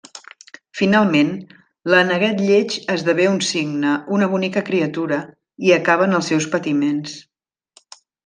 Finalment, l'aneguet lleig esdevé un cigne, una bonica criatura, i acaben els seus patiments.